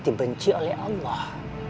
dibenci oleh allah